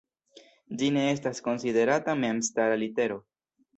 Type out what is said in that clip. Ĝi ne estas konsiderata memstara litero.